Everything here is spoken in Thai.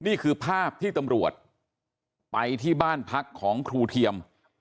นี่คือภาพที่ตำรวจไปที่บ้านพักของครูเทียม